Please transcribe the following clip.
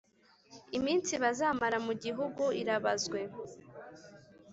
iminsi bazamara mu gihugu irabazwe